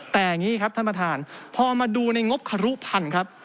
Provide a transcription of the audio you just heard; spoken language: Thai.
แต่อย่างนี้ครับท่านประธานพอมาดูในงบครุพันธุ์ครับ